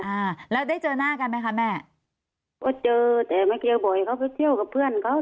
อ่าแล้วได้เจอหน้ากันไหมคะแม่ก็เจอแต่ไม่เจอบ่อยเขาไปเที่ยวกับเพื่อนเขา